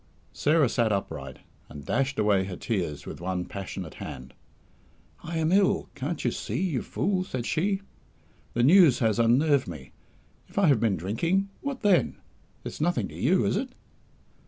Sarah sat upright, and dashed away her tears with one passionate hand. "I am ill, can't you see, you fool!" said she. "The news has unnerved me. If I have been drinking, what then? It's nothing to you, is it?"